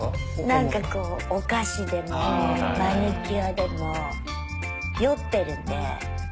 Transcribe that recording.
なんかこうお菓子でもマニキュアでも酔ってるんで。